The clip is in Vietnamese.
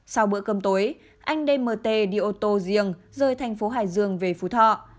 sau bữa cơm tối anh dmt đi ô tô riêng rời tp hải dương về phú thọ